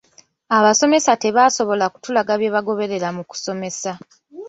Abasomesa tebaasobola kutulaga bye bagoberera mu kusomesa.